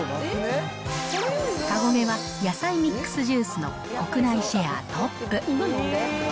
カゴメは野菜ミックスジュースの国内シェアトップ。